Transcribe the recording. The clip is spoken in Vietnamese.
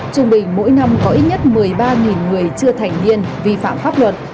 trung bình mỗi năm có ít nhất một mươi ba người chưa thành niên vi phạm pháp luật